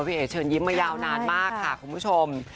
เอ๋เชิญยิ้มมายาวนานมากค่ะคุณผู้ชม